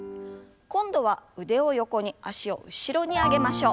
今度は腕を横に脚を後ろに上げましょう。